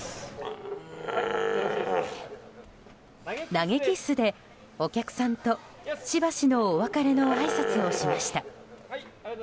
投げキスでお客さんとしばしのお別れのあいさつをしました。